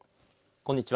こんにちは。